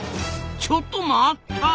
ちょっと待った！